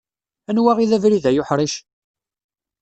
anwa i d abrid ay uḥric?